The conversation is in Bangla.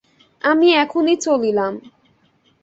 আমি এখনই চলিলাম।